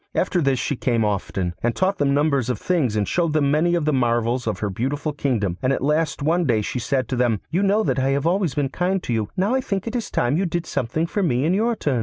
After this she came often, and taught them numbers of things, and showed them many of the marvels of her beautiful kingdom, and at last one day she said to them, 'You know that I have always been kind to you; now I think it is time you did something for me in your turn.